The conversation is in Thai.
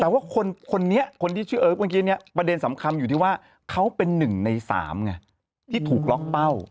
แต่ว่าคนนี้คนที่ชื่อเอิร์ฟเมื่อกี้เนี่ยประเด็นสำคัญอยู่ที่ว่าเขาเป็น๑ใน๓ไงที่ถูกล็อกเป้า